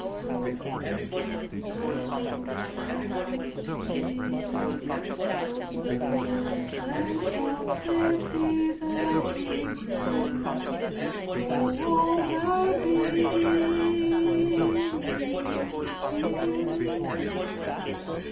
So close, that thou cans't feel The sense of safety that He brings O'er all thy being steal.